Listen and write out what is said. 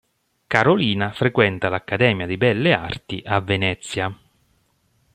Carolina frequenta l'Accademia di Belle Arti a Venezia.